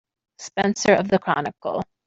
Spencer of the Chronicle.